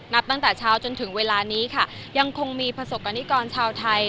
นับตั้งแต่เช้าจนถึงเวลานี้ค่ะยังคงมีประสบกรณิกรชาวไทย